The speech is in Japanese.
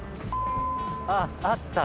あっあった。